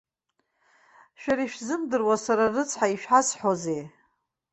Шәара ишәзымдыруа, сара рыцҳа, ишәасҳәозеи.